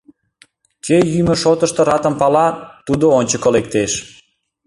Кӧ йӱмӧ шотышто ратым пала — тудо ончыко лектеш.